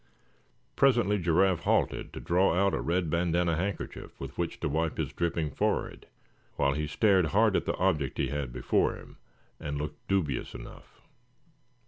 Presently Giraffe halted, to draw out a red bandana handkerchief with which to wipe his dripping forehead, while he stared hard at the object he had before him, and looked dubious enough.